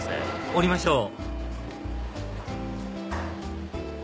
降りましょう